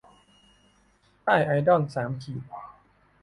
ใต้ไอคอนสามขีด